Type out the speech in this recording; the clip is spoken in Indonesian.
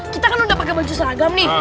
kita kan udah pakai baju seragam nih